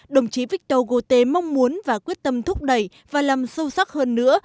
đồng chí victor gauté mong muốn và quyết tâm thúc đẩy và làm sâu sắc hơn nữa